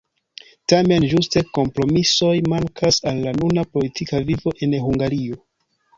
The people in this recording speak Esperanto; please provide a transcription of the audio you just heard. Tamen ĝuste kompromisoj mankas al la nuna politika vivo en Hungario.